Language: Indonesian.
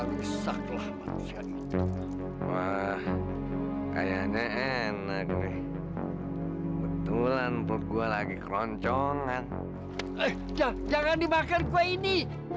kayaknya enak nih betulan buat gua lagi keloncongan jangan dimakan kue ini